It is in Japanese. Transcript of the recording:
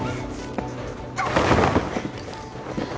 あっ！